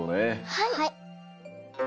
はい。